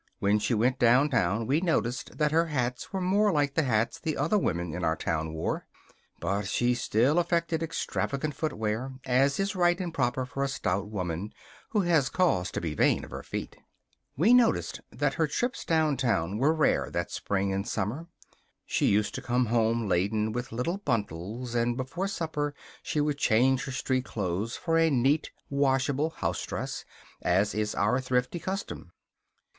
When she went downtown we noticed that her hats were more like the hats the other women in our town wore; but she still affected extravagant footgear, as is right and proper for a stout woman who has cause to be vain of her feet. We noticed that her trips downtown were rare that spring and summer. She used to come home laden with little bundles; and before supper she would change her street clothes for a neat, washable housedress, as is our thrifty custom.